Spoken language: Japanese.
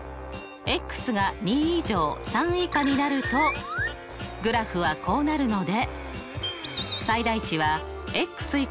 が２以上３以下になるとグラフはこうなるので。